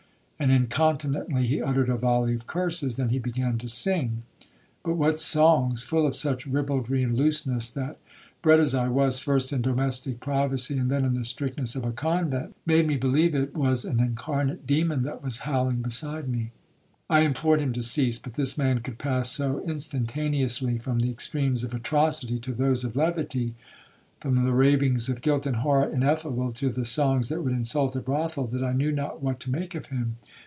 And incontinently he uttered a volley of curses. Then he began to sing. But what songs?—full of such ribaldry and looseness, that, bred as I was first in domestic privacy, and then in the strictness of a convent, made me believe it was an incarnate demon that was howling beside me. I implored him to cease, but this man could pass so instantaneously from the extremes of atrocity to those of levity,—from the ravings of guilt and horror ineffable, to songs that would insult a brothel, that I knew not what to make of him.